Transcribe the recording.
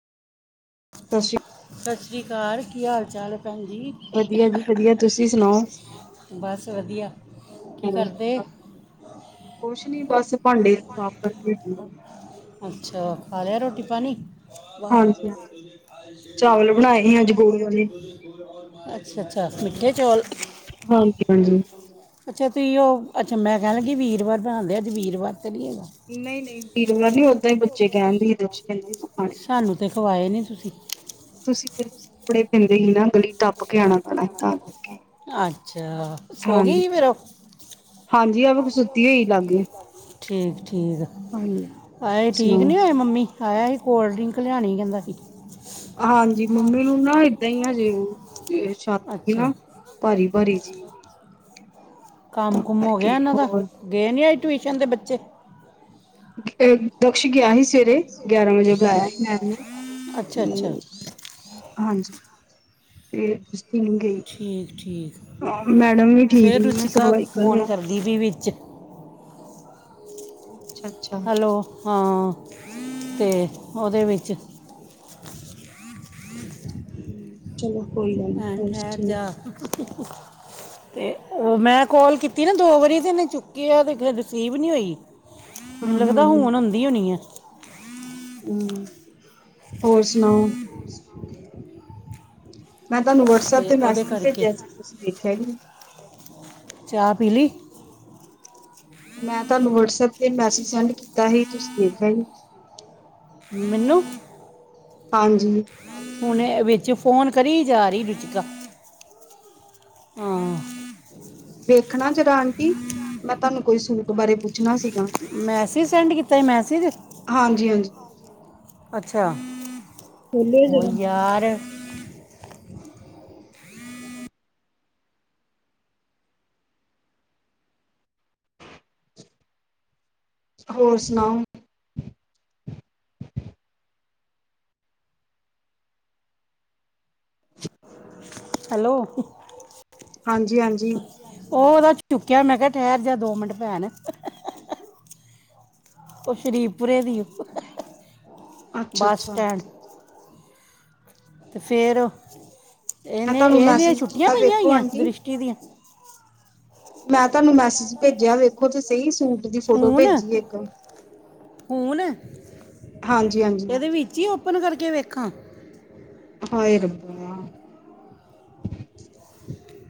ਸਤ ਸ਼੍ਰੀ ਸਤਿ ਸ਼੍ਰੀ ਅਕਾਲ। ਕੀ ਹਾਲ ਚਾਲ ਭੈਨ ਜੀ? ਵਧੀਆ ਜੀ ਵਧੀਆ, ਤੁਸੀ ਸੁਣਾਓ। ਬਸ ਵਧੀਆ। ਹੋਰ ਕੀ ਕਰਦੇ? ਕੁਛ ਨੀ ਬਸ, ਭਾਂਡੇ ਸਾਫ ਕਰਕੇ ਹਟੀ ਆ। ਅੱਛਾ, ਖਾ ਲੇਆ ਰੋਟੀ-ਪਾਨੀ? ਹਾਂਜੀ ਹਾਂਜੀ ਚਾਵਲ ਬਣਾਏ ਸੀ ਅੱਜ ਗੁੜ ਵਾਲੇ [inaudible] ਅੱਛਾ-ਅੱਛਾ, ਮਿੱਠੇ ਚੌਲ। ਹਾਂਜੀ-ਹਾਂਜੀ। ਅੱਛਾ ਤੁਸੀ ੳ ਅੱਛਾ ਮੈਂ ਕੈਣ ਲੱਗੀ ਵੀਰਵਾਰ ਬਨਾਦੇ, ਅੱਜ ਵੀਰਵਾਰ ਤੇ ਨੀ ਹੈਗਾ। ਨਈ- ਨਈ ਵੀਰਵਾਰ ਨੀ ਓਦਾਂ ਈ ਬੱਚੇ ਕੈਂਦੇ ਸਾਨੂੰ ਤੇ ਖਵਾਏ ਨਈ ਤੁਸੀ। ਤੁਸੀਂ ਫੇਰ ਕਪੜੇ ਪੈਂਦੇ ਸੀ ਨਾ ਗਲੀ ਟੱਪ ਕੇ ਆਨਾ ਪੈਨਾ ਸੀ, ਤਾਂ ਕਰਕੇ ਅੱਛਾ ਸੋ ਗਈ ਸੀ ਫਿਰ ਹਾਂਜੀ। ਉਹ? ਹਾਂਜੀ ਆ ਵੇਖੋ ਸੁਤੀ ਹੋਈ ਲਾਗੇ। ਠੀਕ ਠੀਕ, ਹਾਂਜੀ ਅਹੇ ਠੀਕ ਸੁਣਾਓ ਨੀ ਹੋਏ ਮੰਮੀ। ਆਏਆ ਸੀ ਕੋਲਡ ਡਰਿੰਕ ਲਿਆਣੀ ਕੈਂਦਾ ਸੀ। ਹਾਂਜੀ ਮੰਮੀ ਨੂੰ ਨਾ ਏਦਾਂ ਈ ਏ ਹਜੇ ੳਹ ਏ ਛਾਤੀ ਅੱਛਾ ਨਾ ਭਾਰੀ-ਭਾਰੀ ਜੀ। ਤਾਂ ਕੰਮ ਕੁਮ ਹੋ ਕਰਕੇ ਗਿਆ ਏਨਾਂ ਦਾ। ਹੋਰ ਗਏ ਨੀ ਅੱਜ ਟਿਊਸ਼ਨ ਤੇ ਬੱਚੇ? [inaudible] ਦਕਸ਼ ਗਿਆ ਸੀ ਸਵੇਰੇ ਗਿਆਰਾਂ ਵਜੇ ਬੁਲਾਇਆ ਸੀ ਮੈਮ ਨੇ ਅੱਛਾ ਅੱਛਾ ਤੇ ਹਾਂਜੀ ਤੇ [unintelligible] ਗਈ ਠੀਕ ਠੀਕ ਮੈਡਮ ਵੀ ਠੀਕ ਫਿਰ ਨੀ ਆ ਰੁਚਿਕਾ ਸਰਵਾਈਕਲ ਫੋਨ ਹੋਇਆ [unintelligible] ਵਿੱਚ ਅੱਛਾ ਅੱਛਾ ਹੈਲੋ ਹਾਂ ਤੇ ਓਦੇ ਵਿੱਚ ਹੂੰ ਚਲੋ ਕੋਈ ਗੱਲ ਨੀ ਭੈਣ ਹੋਰ ਠਹਿਰ ਸੁਣਾਓ ਜਾ ਤੇ ਓ ਮੈਂ ਕੋਲ ਕੀਤੀ ਨਾ ਦੋ ਵਾਰੀ ਤੇ ਏਨੇ ਚੁੱਕਿਆ ਤੇ ਫਿਰ ਰਿਸੀਵ ਨੀ ਹੋਈ ਮੈਨੂੰ ਹਮ ਹਮ ਲੱਗਦਾ ਹੁਣ ਆਦੀ ਹੋਣੀ ਐ। ਹੂੰ ਹੋਰ ਸੁਣਾਓ ਹੋਰ ਸੁਣਾਓ ਮੈਂ ਤਾਨੂੰ ਵਟਸਐਪ ਤੇ ਮੈਸੇਜ ਭੇਜਿਆ ਸੀ ਤੁਸੀਂ ਵੇਖਿਆ ਵੀ ਨੀ ਚਾਅ ਪੀ ਲੀ? ਮੈਂ ਤਾਨੂੰ ਵਟਸਐਪ ਤੇ ਮੈਸਜ ਸੈਂਡ ਕੀਤਾ ਸੀ ਤੁਸੀਂ ਵੇਖਿਆ ਈ ਨੀ ਮੈਨੂੰ ਹਾਂਜੀ ਹੁਣ ਐ ਵਿੱਚ ਫੋਨ ਕਰੀ ਜਾ ਰੀ ਰੁਚਿਕਾ ਹਾਂ ਵੇਖਣਾ ਜਰਾ ਆਂਟੀ ਮੈਂ ਤਾਨੂੰ ਕੋਈ ਸੂਟ ਬਾਰੇ ਪੁੱਛਣਾ ਸੀ। ਮੈਸੀਜ ਸੈਂਡ ਕੀਤਾ ਸੀ ਮੈਸੀਜ ਹਾਂਜੀ ਹਾਂਜੀ ਅੱਛਾ ਖੋਲਿਓ ਓ ਜਰਾ ਯਾਰ ਹੋਰ ਸੁਣਾਓ ਹੈਲੋ ਹਾਂਜੀ ਹਾਂਜੀ ਓਦਾ ਚੁੱਕਿਆ ਮੈਂ ਕਿਆ ਠੈਰ ਜਾ ਦੋ ਮਿੰਟ ਭੈਣ ਓ ਸ਼ਰੀਫਪੁਰੇ ਦੀ ਉ ਬੱਸ ਅੱਛਾ-ਅੱਛਾ ਸਟੈਂਡ ਤੇ ਫੇਰ ਮੈਂ ਏਨੇ ਤੁਹਾਨੂੰ ਏਦੀਆਂ ਮੈਸੇਜ ਛੁੱਟੀਆਂ ਕੀਤਾ ਪਈਆਂ ਵੇਖੋ ਹੋਈਆਂ ਆਂਟੀ ਦ੍ਰਿਸ਼ਟੀ ਦੀਆਂ ਮੈਂ ਤਾਨੂੰ ਮੈਸਜ ਭੇਜਿਆ ਵੇਖੋ ਤੇ ਸਈ ਸੂਟ ਦੀ ਫੋਟੋ ਹੁਣ ਭੇਜੀ ਇੱਕ ਹੁਣ ਹਾਂਜੀ-ਹਾਂਜੀ ਏਦੇ ਵਿੱਚ ਈ ਓ ਪਨ ਕਰਕੇ ਵੇਖਾਂ ਹਾਂਏ ਰੱਬਾ